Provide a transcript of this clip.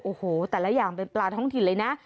โอ้โหแต่ละอย่างเป็นปลาท้องถิ่นเลยนะ